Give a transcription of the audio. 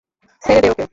ছেঁড়ে দে ওকে!